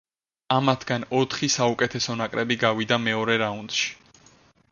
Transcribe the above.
ამათგან ოთხი საუკეთესო ნაკრები გადავიდა მეორე რაუნდში.